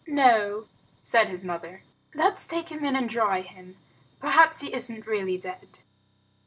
"No," said his mother, "let's take him in and dry him. Perhaps he isn't really dead."